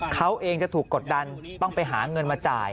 เขาเองจะถูกกดดันต้องไปหาเงินมาจ่าย